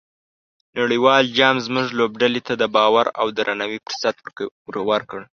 نړیوال جام زموږ لوبډلې ته د باور او درناوي فرصت ورکړ.